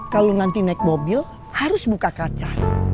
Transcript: kalau nanti naik mobil harus buka kaca